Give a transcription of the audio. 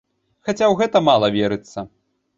Хаця ў гэта мала верыцца.